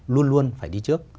luôn luôn phải đi trước